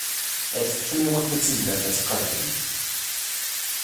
Ad teččem iwakken ad tizmirem ad tqablem.